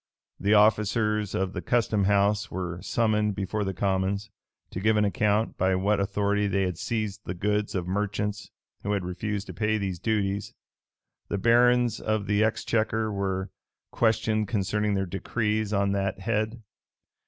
The officers of the custom house were summoned before the commons, to give an account by what authority they had seized the goods of merchants who had refused to pay these duties: the barons of the exchequer were questioned concerning their decrees on that head.